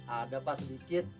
ada pak sedikit